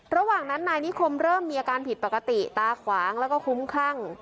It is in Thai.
ระหว่างนั้นนายนิคมเริ่มมีอาการผิดปกติตาขวางแล้วก็คุ้มคลั่ง